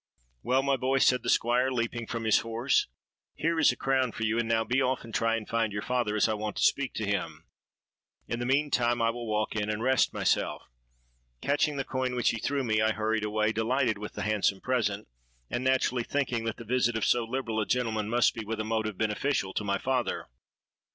—'Well, my boy,' said the Squire, leaping from his horse, 'here is a crown for you; and now be off and try and find your father, as I want to speak to him. In the mean time I will walk in and rest myself.' Catching the coin which he threw me, I hurried away, delighted with the handsome present, and naturally thinking that the visit of so liberal a gentleman must be with a motive beneficial to my father.